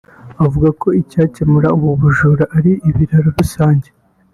Bavuga ko icyakemura ubu bujura ari ibiraro rusange